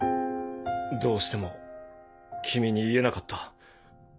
どうしても君に言えなかった。